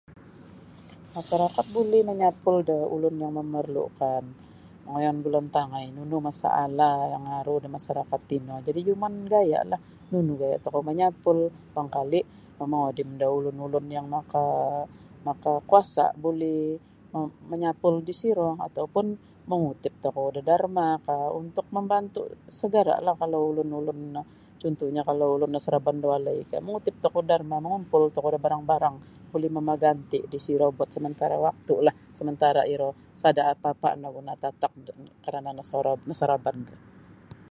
Masarakat buli manyapul da ulun yang memerlukan ngoiyon gulu antangai nunu masalah yang aru da masarakat tino jadi yumon gayalah nunu gaya tokou manyapul barangkali mongodim da ulun-ulun yang maka makakuasa buli manyapul disiro ataupun mangutip tokou da dermakah untuk membantu segeralah kalau ulun-ulun no cuntuhnyo kalau ulun nasaraban da walai kah mangutip tokou da derma mangumpul tokou da barang-barang buli mamaganti buat sementara waktu sementara iro sada apa-apa nogu natatak kerana nasorob nasaraban ri.